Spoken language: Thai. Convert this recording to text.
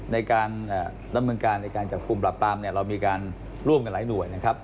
ในการดำเนินการในการจับกลุ่มปรับปรามเนี่ยเรามีการร่วมกันหลายหน่วยนะครับ